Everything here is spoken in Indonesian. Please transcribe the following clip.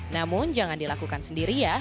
namun jangan dilakukan sendiri ya